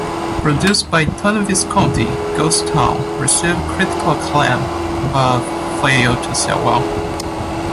Produced by Tony Visconti, "Ghostown" received critical acclaim, but failed to sell well.